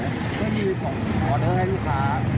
ก็ยืนส่งออเดอร์ให้ลูกค้า